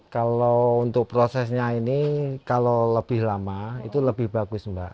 kalau untuk prosesnya ini kalau lebih lama itu lebih bagus mbak